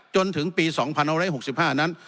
จนถึงปี๒๑๖๕นั้น